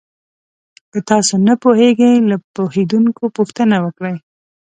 که تاسو نه پوهېږئ، له پوهېدونکو پوښتنه وکړئ.